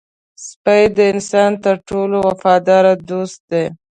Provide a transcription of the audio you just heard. سپي د انسان تر ټولو وفادار دوست دی.